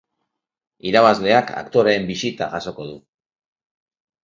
Irabazleak aktoreen bisita jasoko du.